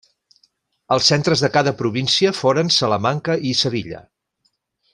Els centres de cada província foren Salamanca i Sevilla.